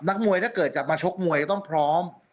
มวยถ้าเกิดจะมาชกมวยต้องพร้อม